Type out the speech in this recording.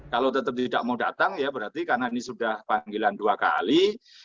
kalau tetap tidak mau datang ya berarti karena ini sudah panggilan dua kali